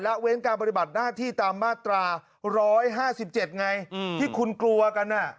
เว้นการปฏิบัติหน้าที่ตามมาตรา๑๕๗ไงที่คุณกลัวกัน